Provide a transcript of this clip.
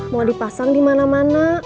mau dipasang dimana mana